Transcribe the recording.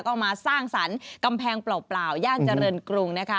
ก็มาสร้างสรรค์กำแพงเปล่าย่านเจริญกรุงนะคะ